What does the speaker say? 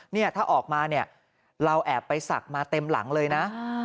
เนี่ยถ้าออกมาเนี่ยเราแอบไปศักดิ์มาเต็มหลังเลยนะ